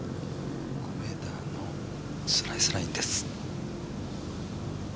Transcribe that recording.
下りのスライスラインです。